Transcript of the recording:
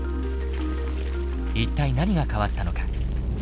一体何が変わったのか。